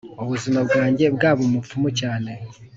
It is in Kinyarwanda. ubuzima bwanjye bwaba umupfumu cyane.